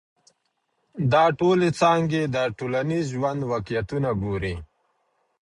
دا ټولي څانګي د ټولنیز ژوند واقعیتونه ګوري.